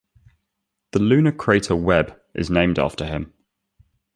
The lunar crater Webb is named after him.